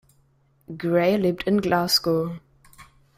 Gray lebt in Glasgow.